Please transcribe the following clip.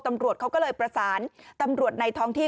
ตำรวจเขาก็เลยประสานตำรวจในท้องที่